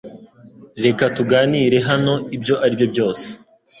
Reka tuganire hano ibyo ari byo byose